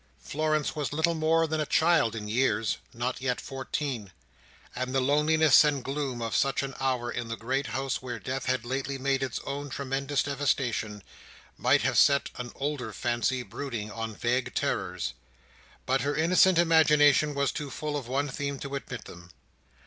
Florence was little more than a child in years—not yet fourteen—and the loneliness and gloom of such an hour in the great house where Death had lately made its own tremendous devastation, might have set an older fancy brooding on vague terrors. But her innocent imagination was too full of one theme to admit them.